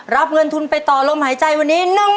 รับเงินทุนไปต่อลมหายใจวันนี้๑๐๐๐๐บาท